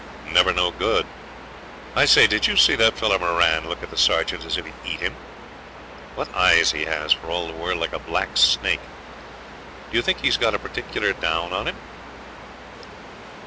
Never no good. I say, did you see that fellow Moran look at the sergeant as if he'd eat him? What eyes he has, for all the world like a black snake! Do you think he's got any particular down on him?'